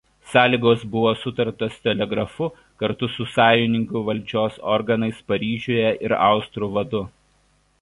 Sąlygos buvo sutartos telegrafu kartu su Sąjungininkų valdžios organais Paryžiuje ir austrų vadu.